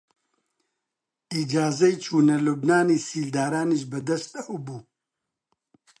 ئیجازەی چوونە لوبنانی سیلدارانیش بە دەست ئەو بوو